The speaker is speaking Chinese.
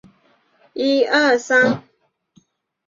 细身准舌唇鱼为辐鳍鱼纲鲤形目鲤科准舌唇鱼属的鱼类。